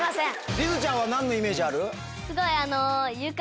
りづちゃんは何のイメージある？